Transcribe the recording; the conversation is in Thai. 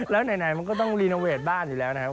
แล้วไหนมันก็ต้องรีโนเวทบ้านอยู่แล้วนะครับ